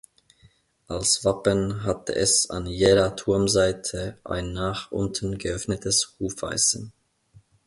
Als Wappen hatte es an jeder Turmseite ein nach unten geöffnetes Hufeisen.